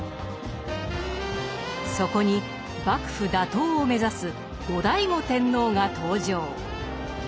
そこに幕府打倒を目指す後醍醐天皇が登場。